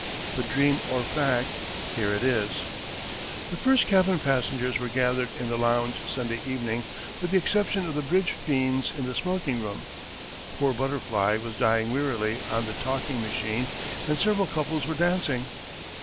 But, dream or fact, here it is: The first cabin passengers were gathered in the lounge Sunday evening, with the exception of the bridge fiends in the smoking room. Poor Butterfly was dying wearily on the talking machine and several couples were dancing.